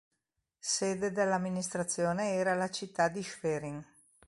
Sede dell'amministrazione era la città di Schwerin.